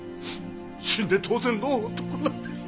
死んで当然の男なんです！